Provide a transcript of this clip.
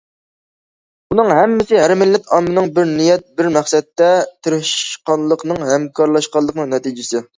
بۇنىڭ ھەممىسى ھەر مىللەت ئاممىنىڭ بىر نىيەت، بىر مەقسەتتە تىرىشقانلىقىنىڭ، ھەمكارلاشقانلىقىنىڭ نەتىجىسى.